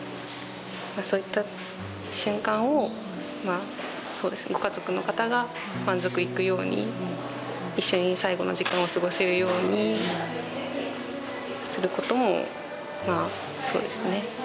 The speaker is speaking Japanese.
そういった瞬間をまあそうですねご家族の方が満足いくように一緒に最期の時間を過ごせるようにすることもまあそうですね